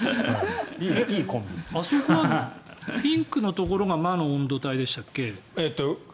あそこはピンクのところが魔の温度帯でしたっけ。